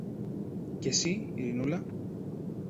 Και συ, Ειρηνούλα;